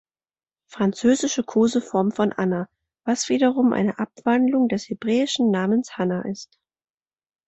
Französische Koseform von Anna, was wiederum eine Abwandlung des hebräischen Namens Hannah ist.